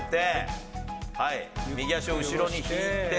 右足を後ろに引いて。